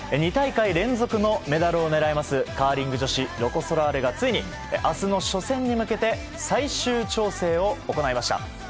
２大会連続のメダルを狙います、カーリング女子、ロコ・ソラーレが、ついにあすの初戦に向けて、最終調整を行いました。